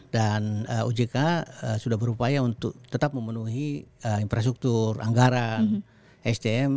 dan ojk sudah berupaya untuk tetap memenuhi infrastruktur anggaran stm